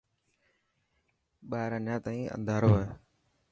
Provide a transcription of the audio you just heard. ٻار اڃا تائين انڌارو هي.